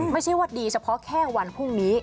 ไม่ใช่ว่าดีเฉพาะแค่วันพรุ่งนี้